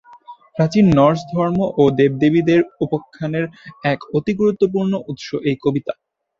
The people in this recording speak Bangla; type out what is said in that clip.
প্রাচীন নর্স ধর্ম ও দেবদেবীদের উপাখ্যানের এক অতি গুরুত্বপূর্ণ উৎস এই কবিতা।